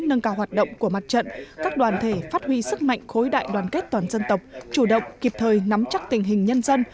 nâng cao hoạt động của mặt trận các đoàn thể phát huy sức mạnh khối đại đoàn kết toàn dân tộc chủ động kịp thời nắm chắc tình hình nhân dân